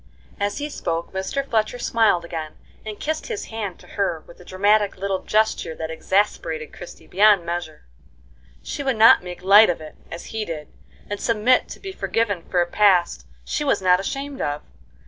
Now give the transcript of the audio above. As he spoke, Mr. Fletcher smiled again, and kissed his hand to her with a dramatic little gesture that exasperated Christie beyond measure. She would not make light of it, as he did, and submit to be forgiven for a past she was not ashamed of.